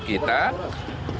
dan kita harus berpikir pikir